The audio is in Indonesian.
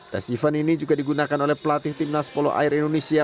tes event ini juga digunakan oleh pelatih timnas polo air indonesia